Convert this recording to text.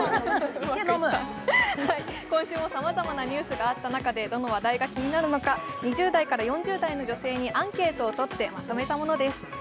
今週もさまざまなニュースがあった中でどの話題が気になるのか、２０代から４０代の女性にアンケートを取ってまとめたものです。